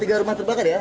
tiga rumah terbakar ya